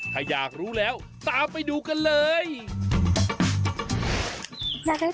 ที่แน่แพร่พันธุ์เร็วด้วยครับ